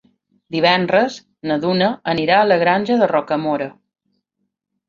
Divendres na Duna anirà a la Granja de Rocamora.